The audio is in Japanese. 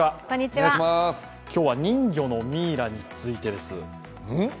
今日は人魚のミイラについです。